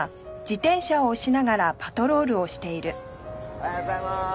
おはようございます。